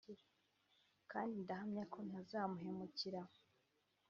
kandi ndahamya ko ntazamuhemukira